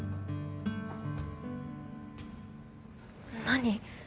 何？